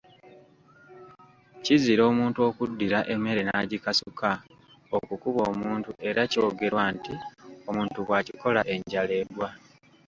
Kizira omuntu okuddira emmere n’agikasuka okukuba omuntu era kyogerwa nti omuntu bw’akikola enjala egwa.